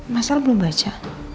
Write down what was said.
masalah belum baca